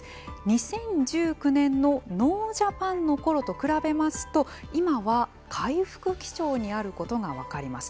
２０１９年のノージャパンのころと比べますと今は回復基調にあることが分かります。